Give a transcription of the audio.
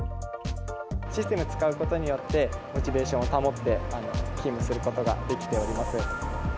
システムを使うことによって、モチベーションを保って勤務することができております。